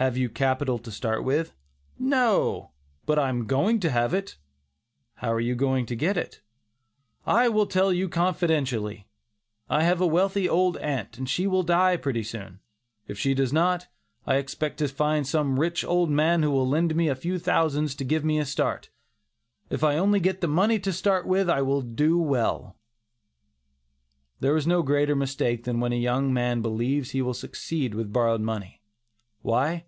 "Have you capital to start with?" "No, but I am going to have it." "How are you going to get it?" "I will tell you confidentially; I have a wealthy old aunt, and she will die pretty soon; but if she does not, I expect to find some rich old man who will lend me a few thousands to give me a start. If I only get the money to start with I will do well." There is no greater mistake than when a young man believes he will succeed with borrowed money. Why?